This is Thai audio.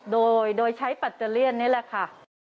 โดยใช้ปัตเตอร์เลี่ยนนี่แหละค่ะ